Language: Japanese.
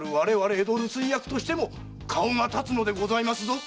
江戸留守居役としても顔が立つのでございますぞ。